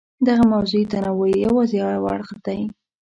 دغه موضوعي تنوع یې یوازې یو اړخ دی.